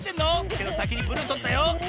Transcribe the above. けどさきにブルーとったよ。